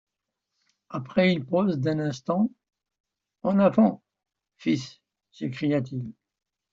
Après une pause d’un instant: — En avant, fils! cria-t-il.